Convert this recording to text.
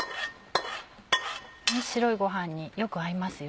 白いご飯によく合いますよ。